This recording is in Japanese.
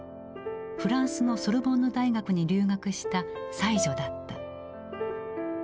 フランスのソルボンヌ大学に留学した才女だった。